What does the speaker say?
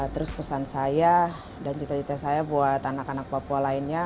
terus pesan saya dan cita cita saya buat anak anak papua lainnya